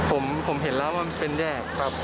อ่าขับมาเนี่ยผมเห็นแล้วว่ามันเป็นแยกครับ